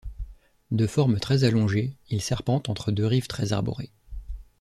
De forme très allongé, il serpente entre deux rives très arborées.